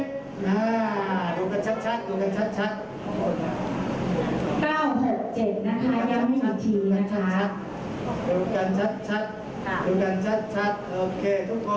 ข้าแก้แก้วหนึ่งโปรดเจ็ดอะดูกันชัดลูกกันชัด